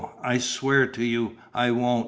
I swear to you I won't."